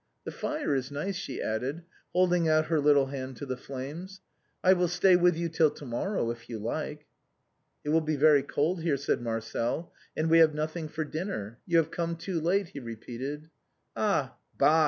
The fire is nice," she added, holding out her little hand to the flames, " I will stay with you till to morrow if you like." " It will be very cold here," said Marcel, "and we Ijave nothing for dinner. You have come too late," he re peated. " Ah ! bah !